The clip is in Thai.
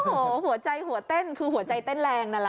โอ้โหหัวใจหัวเต้นคือหัวใจเต้นแรงนั่นแหละ